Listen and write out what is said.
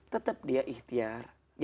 tetap dia ikhtiar